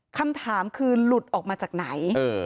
คำถามคือหลุดออกมาจากไหน